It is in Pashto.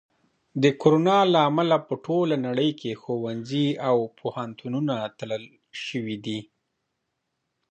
د کرونا له امله په ټوله نړۍ کې ښوونځي او پوهنتونونه تړل شوي دي.